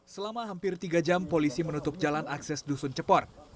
selama hampir tiga jam polisi menutup jalan akses dusun cepor